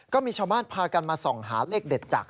ก็มีชาวบ้านพากันมาส่องหาเลขเด็ดจาก